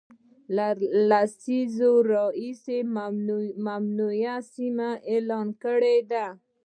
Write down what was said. له لسیزو راهیسي ممنوع سیمه اعلان کړې ده